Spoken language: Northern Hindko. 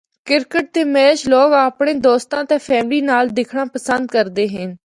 کرکٹ دے میچ لوگ اپنڑے دوستاں تے فیملی نال دیکھنڑا پسند کردے ہن۔